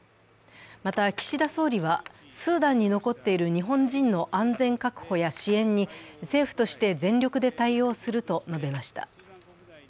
また岸田総理は、スーダンに残っている日本人の安全確保や支援に政府として全力で対応すると述べました。